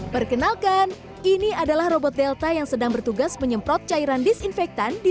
perkenalkan ini adalah robot delta yang sedang bertugas menyemprot cairan disinfektan di